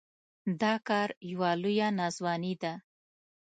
دا کار يوه لويه ناځواني ده.